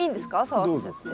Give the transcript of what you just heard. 触っちゃって。